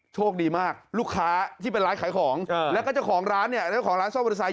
โชคดีมากลูกค้าที่เป็นร้านขายของและเจ้าของร้านซ่อมมอเตอร์ไซค์